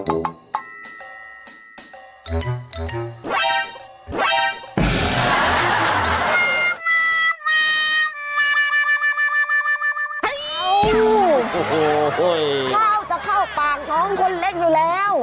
โอ้โหข้าวจะเข้าปากท้องคนเล็กอยู่แล้ว